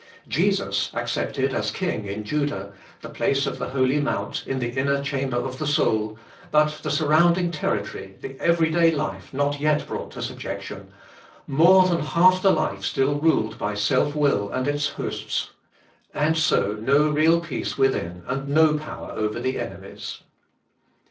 Jesus accepted as King in Judah, the place of the holy mount, in the inner chamber of AT THIS MOMENT, 119 the soul; but the surrounding territory, the every day life, not yet brought to subjection: more than half the life still ruled by self will and its hosts. And so no real peace within and no power over the enemies.